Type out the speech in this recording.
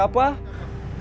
bos tau dari siapa